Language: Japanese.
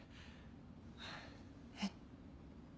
えっ。